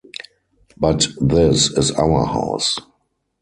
But this is our house.